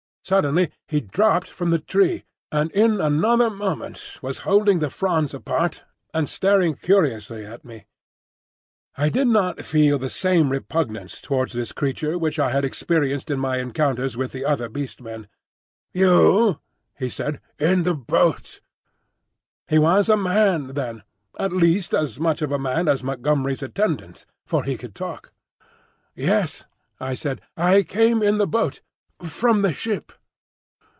Suddenly he dropped from the tree, and in another moment was holding the fronds apart and staring curiously at me. I did not feel the same repugnance towards this creature which I had experienced in my encounters with the other Beast Men. "You," he said, "in the boat." He was a man, then,—at least as much of a man as Montgomery's attendant,—for he could talk. "Yes," I said, "I came in the boat. From the ship."